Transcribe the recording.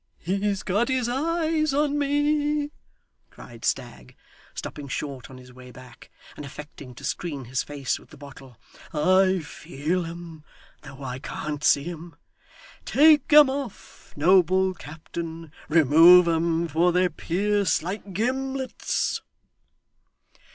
'He's got his eyes on me!' cried Stagg, stopping short on his way back, and affecting to screen his face with the bottle. 'I feel 'em though I can't see 'em. Take 'em off, noble captain. Remove 'em, for they pierce like gimlets.